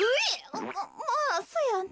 あっまあそやな。